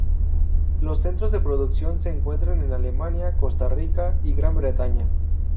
Los centros de producción se encuentran en Alemania, Costa Rica y Gran Bretaña.